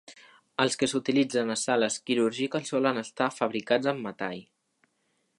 Els que s"utilitzen a sales quirúrgiques solen estar fabricats amb metall.